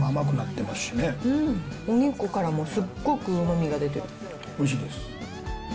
お肉からもすっごくうまみがおいしいです。